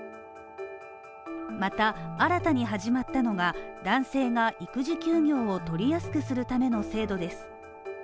また新たに始まったのが男性が育児休業をとりやすくするための制度です。